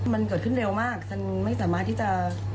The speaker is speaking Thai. มันเกิดขึ้นเร็วมากฉันไม่สามารถที่จะ